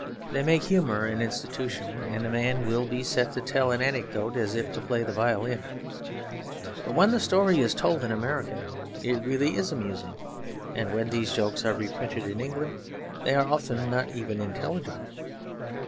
They make humour an institution; and a man will be set to tell an anecdote as if to play the violin. But when the story is told in America it really is amusing; and when these jokes are reprinted in England they are often not even intelligible.